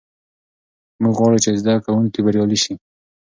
موږ غواړو چې زده کوونکي بریالي سي.